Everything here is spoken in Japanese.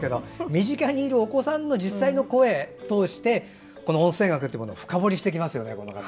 身近にいるお子さんの実際の声を通して音声学を深掘りしていくんですね。